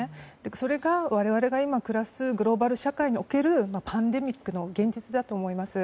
それが我々が今暮らすグローバル社会におけるパンデミックの現実だと思います。